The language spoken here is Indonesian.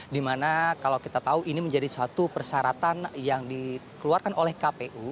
di mana kalau kita tahu ini menjadi suatu persaratan yang dikeluarkan oleh kpu